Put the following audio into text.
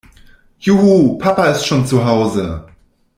Juhu, Papa ist schon zu Hause!